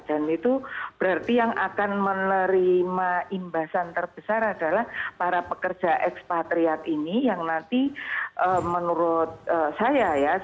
dan itu berarti yang akan menerima imbasan terbesar adalah para pekerja ekspatriat ini yang nanti menurut saya